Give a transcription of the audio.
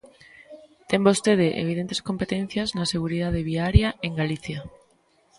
Ten vostede evidentes competencias na seguridade viaria en Galicia.